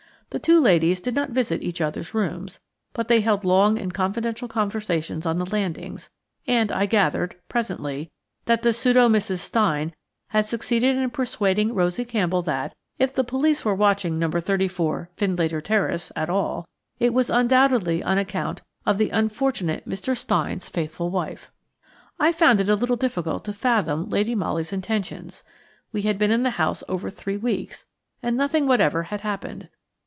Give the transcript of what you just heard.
The two ladies did not visit each other's rooms, but they held long and confidential conversations on the landings, and I gathered, presently, that the pseudo Mrs. Stein had succeeded in persuading Rosie Campbell that, if the police were watching No. 34, Findlater Terrace, at all, it was undoubtedly on account of the unfortunate Mr. Stein's faithful wife. I found it a little difficult to fathom Lady Molly's intentions. We had been in the house over three weeks, and nothing whatever had happened.